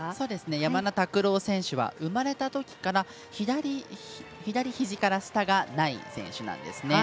山田拓朗選手は生まれたときから左ひじから下がない選手なんです。